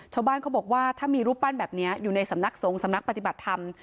ชาวบ้านเขาบอกว่าถ้ามีรูปปั้นแบบนี้อยู่ในสำนักสงสำนักปฏิบัติธรรม